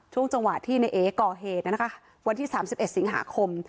ช่วงจังหวะที่นายเอกก่อเหตุนะคะวันที่สามสิบเอ็ดสิงหาคม